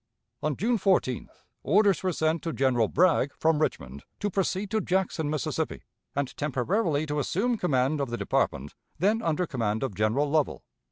On June 14th orders were sent to General Bragg, from Richmond, to proceed to Jackson, Mississippi, and temporarily to assume command of the department then under command of General Lovell.